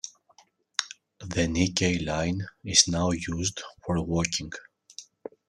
The Nickey Line is now used for walking.